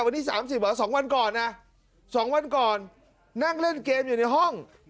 วันนี้๓๐เหรอ๒วันก่อนนะ๒วันก่อนนั่งเล่นเกมอยู่ในห้อง